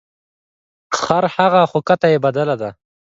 خرهغه خو کته یې بدله ده .